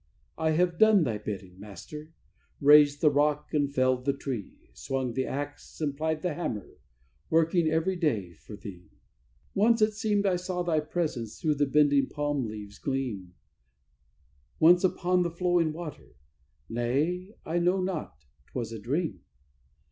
"I have done Thy bidding, Master; raised the rock and felled the tree, Swung the axe and plied the hammer, working every day for Thee. "Once it seemed I saw Thy presence through the bending palm leaves gleam; Once upon the flowing water Nay, I know not; 'twas a dream!